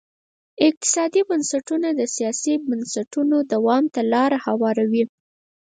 اقتصادي بنسټونه د سیاسي بنسټونو دوام ته لار هواروي.